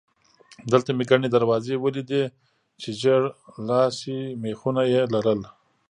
دلته مې ګڼې دروازې ولیدې چې ژېړ لاسي مېخونه یې لرل.